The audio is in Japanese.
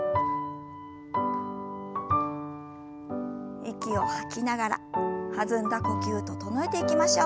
息を吐きながら弾んだ呼吸整えていきましょう。